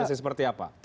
klise yang seperti apa